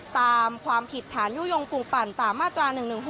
ตามความผิดฐานยุโยงปลูกปั่นตามมาตรา๑๑๖